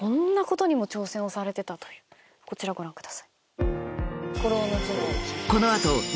こちらご覧ください。